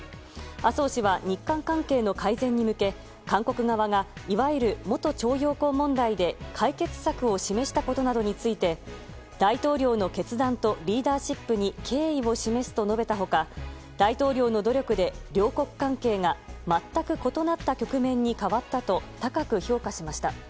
麻生氏は日韓関係の改善に向け韓国側がいわゆる元徴用工問題で解決策を示したことなどについて大統領の決断とリーダーシップに敬意を示すと述べた他大統領の努力で両国関係が全く異なった局面に変わったと高く評価しました。